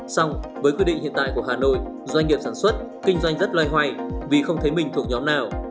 xong với quy định hiện tại của hà nội doanh nghiệp sản xuất kinh doanh rất loay hoay vì không thấy mình thuộc nhóm nào